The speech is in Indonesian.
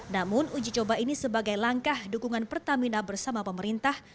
namun uji coba ini sebagai langkah dukungan pertamina bersama pemerintah